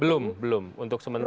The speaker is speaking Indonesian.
belum belum untuk sementara